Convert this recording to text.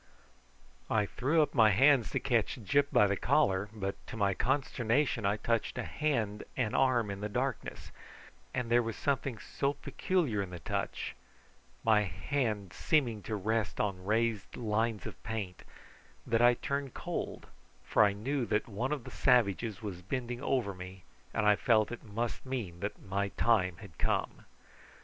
I threw up my hands to catch Gyp by the collar, but to my consternation I touched a hand and arm in the darkness, and there was something so peculiar in the touch, my hand seeming to rest on raised lines of paint, that I turned cold, for I knew that one of the savages was bending over me, and I felt that it must mean that my time had come.